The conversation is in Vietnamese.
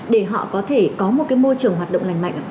để họ có thể có một cái môi trường hoạt động lành mạnh ạ